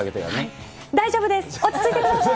大丈夫です、落ち着いてください。